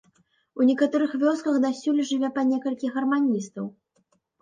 У некаторых вёсках дасюль жыве па некалькі гарманістаў.